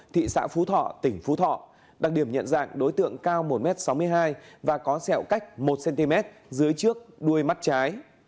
thị xã phú thọ tỉnh phú thọ đặc điểm nhận dạng đối tượng cao một m sáu mươi hai và có sẹo cách một cm dưới trước đuôi mắt trái